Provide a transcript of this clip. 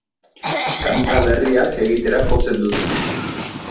Kanta berriak egitera jotzen dut.